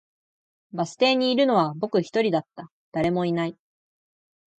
バス停にいるのは僕一人だった、誰もいない